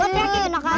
gua pengen kena kalah